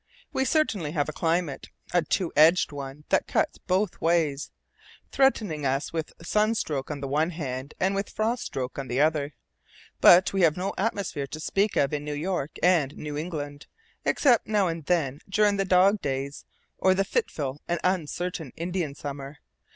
We certainly have a climate, a two edged one that cuts both ways, threatening us with sun stroke on the one hand and with frost stroke on the other; but we have no atmosphere to speak of in New York and New England, except now and then during the dog days, or the fitful and uncertain Indian Summer.